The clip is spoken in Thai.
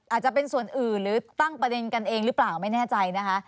อาจจะเป็นส่วนอื่นหรือตั้งประเด็นกันเองหรือเปล่าไม่แน่ใจนะคะ